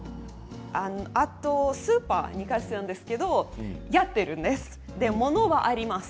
あとスーパーに関してはやっているんです物は、あります。